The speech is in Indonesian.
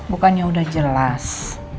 bukannya udah jelas